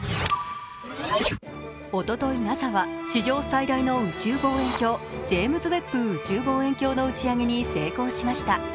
おととい、ＮＡＳＡは史上最大の宇宙望遠鏡、ジェームズ・ウェッブ宇宙望遠鏡の打ち上げに成功しました。